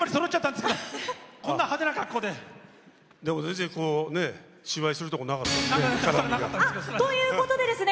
でも全然、芝居するところなかったですね。